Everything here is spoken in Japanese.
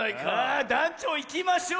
あだんちょういきましょう。